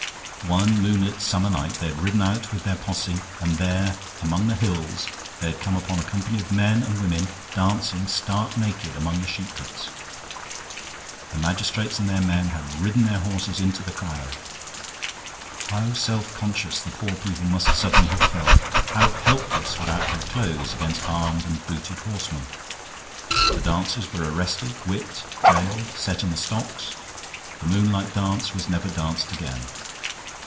One moonlit summer night they had ridden out with their posse and there, among the hills, they had come upon a company of men and women, dancing, stark naked, among the sheepcotes. The magistrates and their men had ridden their horses into the crowd. How self conscious the poor people must suddenly have felt, how helpless without their clothes against armed and booted horsemen! The dancers were arrested, whipped, gaoled, set in the stocks; the moonlight dance is never danced again.